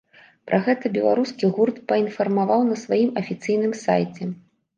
Пра гэта беларускі гурт паінфармаваў на сваім афіцыйным сайце.